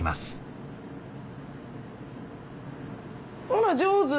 ほら上手！